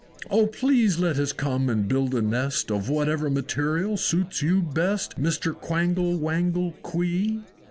O please let us come and build a nest Of whatever material suits you best, Mr. Quangle Wangle Quee!"